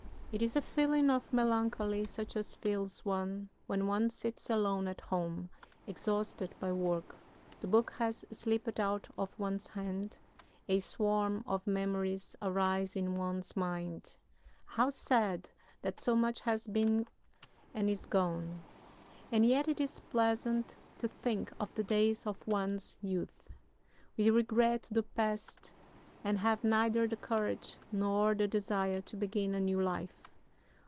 It is a feeling of melancholy such as fills one when one sits alone at home, exhausted by work; the book has slipped out of one's hand; a swarm of memories arise in one's mind. How sad that so much has been and is gone, and yet it is pleasant to think of the days of one's youth. We regret the past and have neither the courage nor the desire to begin a new life.